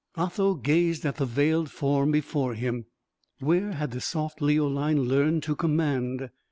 Otho gazed at the veiled form before him. Where had the soft Leoline learned to command?